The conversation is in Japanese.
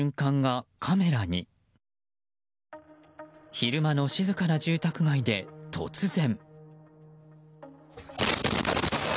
昼間の静かな住宅街で突然。